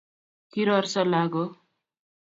Kiroroso lagook